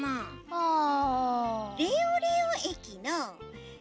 ああ。